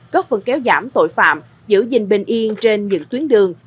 góp phần kéo giảm tội phạm giữ gìn bình yên trên những tuyến đường